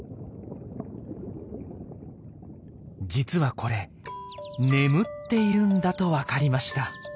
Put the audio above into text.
実はこれ眠っているんだとわかりました。